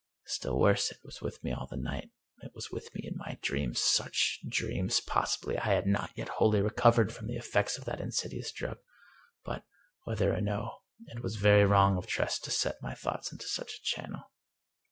Still worse, it was with me all the night. It was with me in my dreams. Such dreams I Possibly I had not yet wholly recovered from the effects of that insidious drug, but, whether or no, it was very wrong of Tress to set my thoughts into such a channel.